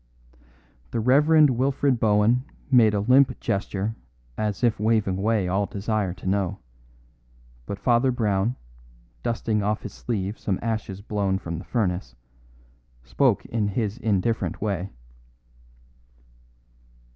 The Rev. Wilfred Bohun made a limp gesture as if waving away all desire to know; but Father Brown, dusting off his sleeve some ashes blown from the furnace, spoke in his indifferent way.